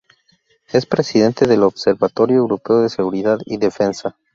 Es presidente del Observatorio Europeo de Seguridad y Defensa.